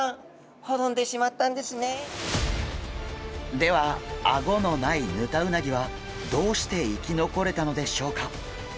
ではアゴのないヌタウナギはどうして生き残れたのでしょうか？